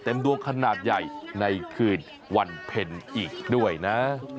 ดวงขนาดใหญ่ในคืนวันเพ็ญอีกด้วยนะ